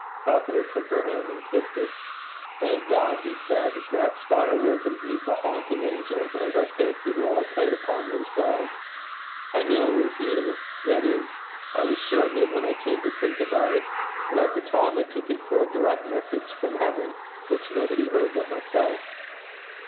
Falconer took her hand and kissed it. 'Thank God,' he said. 'That spire was indeed the haunt of angels as I fancied while I played upon those bells.' 'I knew it was you that is, I was sure of it when I came to think about it; but at the time I took it for a direct message from heaven, which nobody heard but myself.'